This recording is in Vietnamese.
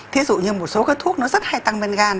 thí dụ như một số cái thuốc nó rất hay tăng men gan